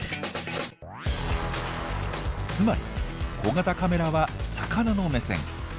つまり小型カメラは魚の目線。